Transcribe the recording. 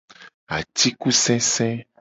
Atikusese.